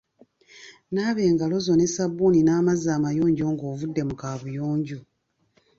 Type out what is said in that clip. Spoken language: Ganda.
Naaba engalo zo ne sabbuuni n'amazzi amayonjo nga ovudde mu kaabuyonjo.